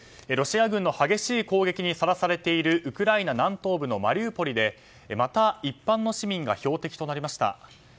ロシア軍の激しい攻撃にさらされているウクライナ南東部のマリウポリでまた一般の市民が標的となりました。